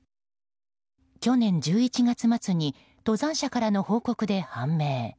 去年１１月末に登山者からの報告で判明。